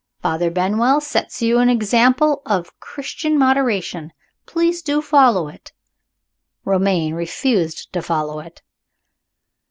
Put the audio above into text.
Father Benwell sets you an example of Christian moderation. Do, please, follow it." Romayne refused to follow it.